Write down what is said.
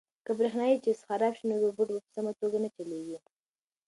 که برېښنايي چپس خراب شي نو روبوټ په سمه توګه نه چلیږي.